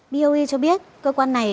boe cho biết cơ quan này